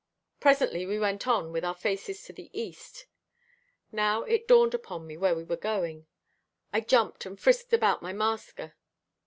Presently we went on with our faces to the east. Now it dawned upon me where we were going. I jumped and frisked about my master.